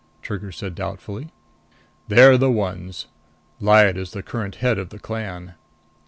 Trigger said doubtfully. "They're the ones. Lyad is the current head of the clan."